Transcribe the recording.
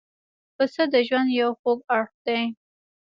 پسه د ژوند یو خوږ اړخ دی.